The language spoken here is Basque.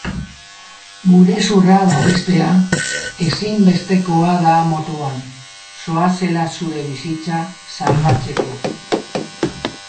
Burezurra babestea ezinbestekoa da motoan zoazela zure bizitza salbatzeko.